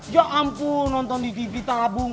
ya ampun nonton di tv tabung